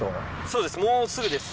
そうですもうすぐです。